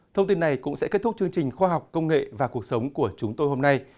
thông tin này cũng sẽ kết thúc chương trình khoa học công nghệ và cuộc sống của chúng tôi hôm nay